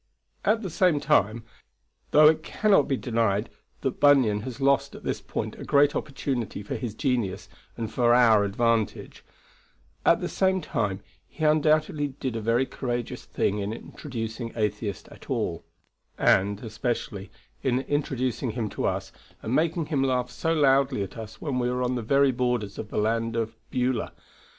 At the same time, though it cannot be denied that Bunyan has lost at this point a great opportunity for his genius and for our advantage, at the same time, he undoubtedly did a very courageous thing in introducing Atheist at all; and, especially, in introducing him to us and making him laugh so loudly at us when we are on the very borders of the land of Beulah.